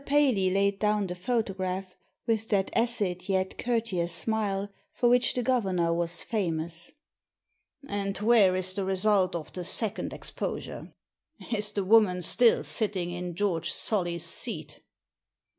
Paley laid down the photograph with that acid yet courteous smile for which the governor was famous. " And where is the result of the second exposure ? Is the woman still sitting in Geoi^e Solly's seat